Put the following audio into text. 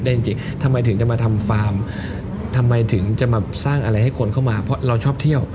ที่คุยกับเราทั้งหมดเนี่ย